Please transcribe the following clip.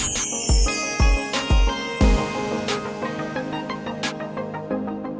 kamu mau ngapain